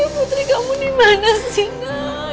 putri kamu dimana sih